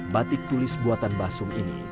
batik tulis buatan basum ini